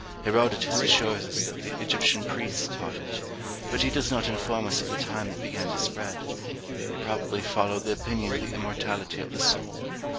Herodotus assures us that the Egyptian priests taught it; but he does not inform us of the time it began to spread. It probably followed the opinion of the immortality of the soul.